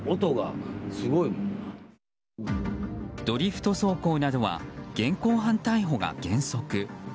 ドリフト走行などは現行犯逮捕が原則。